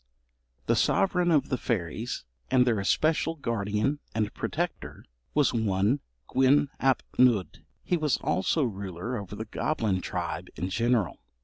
The sovereign of the fairies, and their especial guardian and protector, was one Gwyn ap Nudd. He was also ruler over the goblin tribe in general.